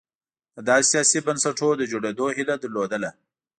د داسې سیاسي بنسټونو د جوړېدو هیله لرله.